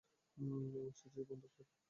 এবং সিসিটিভি বন্ধ করে দাও।